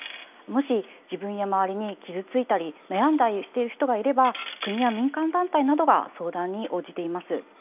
もし自分や周りに傷ついたり悩んだりしている人がいれば、国や民間団体などが相談に応じています。